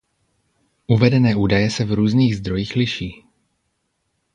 Uvedené údaje se v různých zdrojích liší.